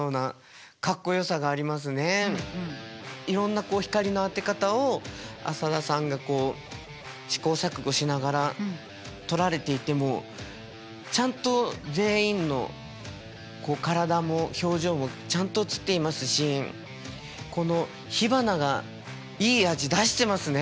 いろんな光の当て方を浅田さんがこう試行錯誤しながら撮られていてもちゃんと全員の体も表情もちゃんと写っていますしこの火花がいい味出してますね。